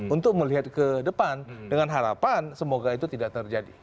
untuk melihat ke depan dengan harapan semoga itu tidak terjadi